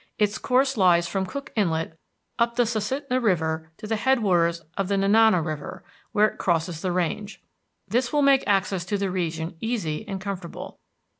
Its course lies from Cook Inlet up the Susitna River to the headwaters of the Nenana River, where it crosses the range. This will make access to the region easy and comfortable.